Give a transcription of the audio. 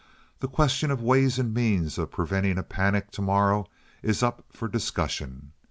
The question of ways and means of preventing a panic to morrow is up for discussion.